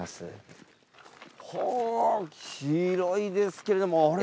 ほお広いですけれどもあれ？